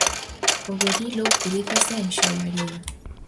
O berilo utilízase en xoiaría.